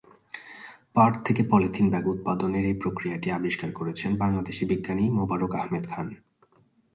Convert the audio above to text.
পাট থেকে polythene bag উৎপাদনের এই প্রক্রিয়াটি আবিষ্কার করেছেন বাংলাদেশী বিজ্ঞানী মোবারক আহমদ খান।